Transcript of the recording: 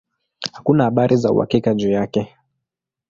Hakuna habari za uhakika juu yake.